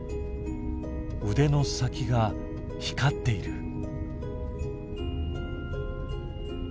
腕の先が光っている！？